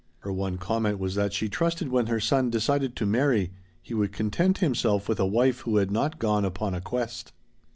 Her one comment was that she trusted when her son decided to marry he would content himself with a wife who had not gone upon a quest.